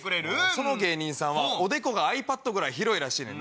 その芸人さんはおでこがｉＰａｄぐらい広いらしいねん。